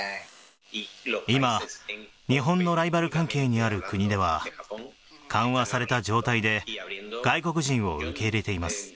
今、日本のライバル関係にある国では、緩和された状態で外国人を受け入れています。